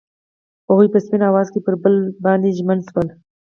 هغوی په سپین اواز کې پر بل باندې ژمن شول.